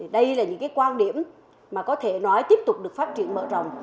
đây là những cái quan điểm mà có thể nói tiếp tục được phát triển mở rộng